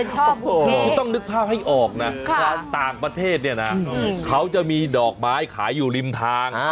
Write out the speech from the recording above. คือต้องนึกภาพให้ออกนะต่างประเทศเนี่ยนะเขาจะมีดอกไม้ขายอยู่ริมทาง